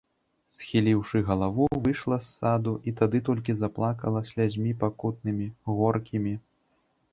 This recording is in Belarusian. Схіліўшы галаву, выйшла з саду і тады толькі заплакала слязьмі пакутнымі, горкімі.